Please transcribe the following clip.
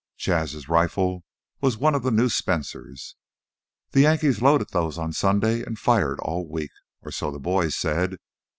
Jas's rifle was one of the new Spencers. The Yankees loaded those on Sunday and fired all week, or so the boys said.